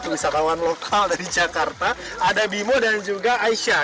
wisatawan lokal dari jakarta ada bimo dan juga aisyah